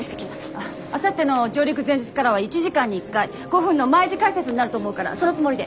あさっての上陸前日からは１時間に１回５分の毎時解説になると思うからそのつもりで。